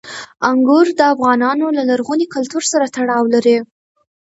انګور د افغانانو له لرغوني کلتور سره تړاو لري.